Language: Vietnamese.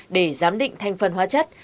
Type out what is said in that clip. để giám định thành phần hóa chất